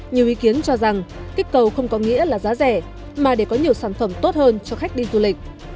nhiều ý kiến cho rằng kích cầu không có nghĩa là giá rẻ mà để có nhiều sản phẩm tốt hơn cho khách đi du lịch